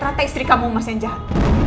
rata istri kamu mas yang jahat